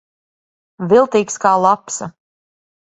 Viltīgs kā lapsa.